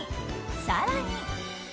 更に。